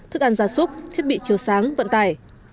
thức ăn gia súc thiết bị chiều sáng vận tải